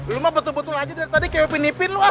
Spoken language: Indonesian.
lu mah betul betul aja dari tadi kayak nipin nipin lu ah